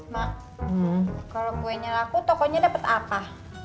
mak kalau kuenya laku tokonya dapat apa